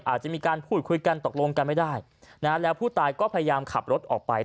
อาจจะมีการพูดคุยกันตกลงกันไม่ได้นะฮะแล้วผู้ตายก็พยายามขับรถออกไป